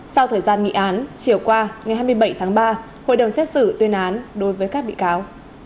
sau thời gian nghị án chiều qua ngày hai mươi bảy tháng ba hội đồng xét xử tuyên án đối với các bị cáo